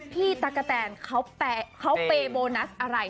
ที่ไวน์เจอบอย